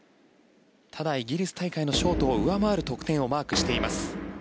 ただ、イギリス大会のショートを上回る得点をしています。